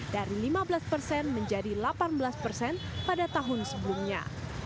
dari lima belas persen menjadi delapan belas persen pada tahun sebelumnya